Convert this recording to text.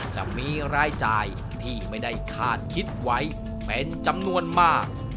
จะมีรายจ่ายที่ไม่ได้คาดคิดไว้เป็นจำนวนมาก